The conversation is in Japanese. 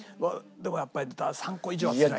でもやっぱり３個以上はつらいな。